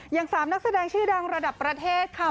อย่าง๓นักแสดงชื่อดังระดับประเทศค่ะ